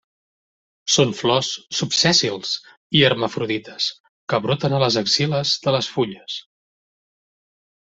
Són flors subsèssils i hermafrodites que broten a les axil·les de les fulles.